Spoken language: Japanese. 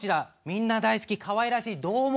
みんな大好きかわいらしいどーもくん。